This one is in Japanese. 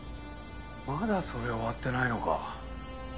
まだそれ終わってないのか。